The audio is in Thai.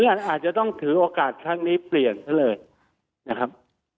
เพราะฉะนั้นอาจจะต้องถือโอกาสข้างนี้เปลี่ยนเท่าเลยนะครับ